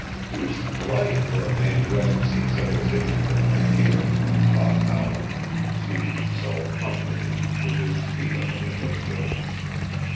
"Deuced polite for a man who hasn't seen civilization for three years," thought Howland, seating himself comfortably, with his feet on the window sill.